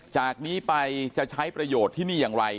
จากนี้ไปจะใช้ประโยชน์ที่นี่อย่างไร